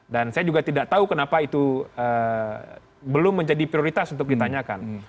dan saya juga tidak tahu kenapa itu belum menjadi prioritas untuk ditanyakan